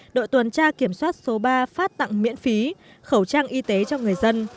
đội tuần tra kiểm soát số ba phát tặng miễn phí khẩu trang y tế cho người dân